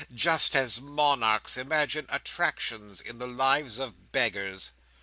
"Just as monarchs imagine attractions in the lives of beggars."